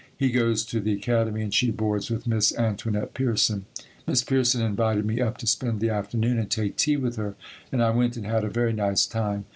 He goes to the Academy and she boards with Miss Antoinette Pierson. Miss Pierson invited me up to spend the afternoon and take tea with her and I went and had a very nice time.